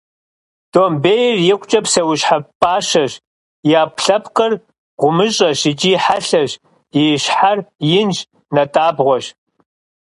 Домбейр икъукӏэ псэущхьэ пӏащэщ, и ӏэпкълъэпкъыр гъумыщӏэщ икӏи хьэлъэщ, и щхьэр инщ, натӏабгъуэщ.